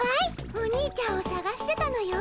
おにいちゃんをさがしてたのよ。